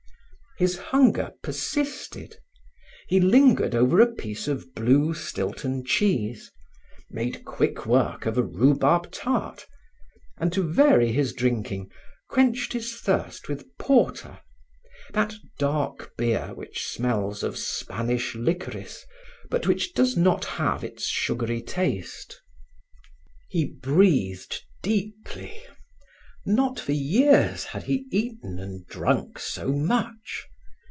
His hunger persisted. He lingered over a piece of blue Stilton cheese, made quick work of a rhubarb tart, and to vary his drinking, quenched his thirst with porter, that dark beer which smells of Spanish licorice but which does not have its sugary taste. He breathed deeply. Not for years had he eaten and drunk so much.